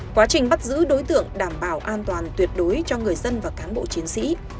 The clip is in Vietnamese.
quá trình bắt giữ đối tượng đảm bảo an toàn tuyệt đối cho người dân và cán bộ chiến sĩ